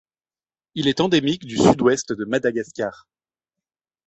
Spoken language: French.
Il est endémique du Sud-Ouest de Madagascar.